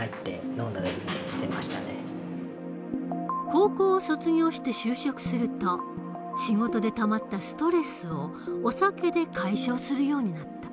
高校を卒業して就職すると仕事でたまったストレスをお酒で解消するようになった。